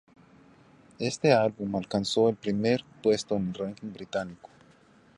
Este álbum alcanzó el primer puesto en el ranking británico.